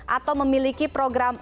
atau memiliki program